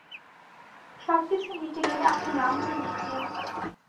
সবকিছু মিটে গেলে, আমাকে লাঞ্চে নিয়ে যেও।